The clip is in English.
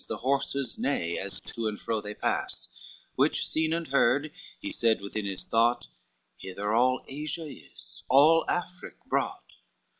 The horses neigh as to and fro they pass: Which seen and heard, he said within his thought, Hither all Asia is, all Afric, brought.